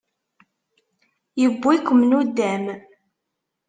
Yewwi-kem nuddam?